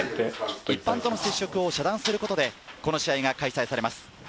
一般との接触を遮断することでこの試合が開催されます。